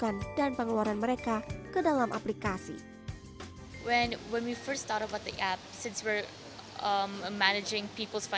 ketika kita mulai mencoba aplikasi ini karena kita menjalankan keuangan orang orang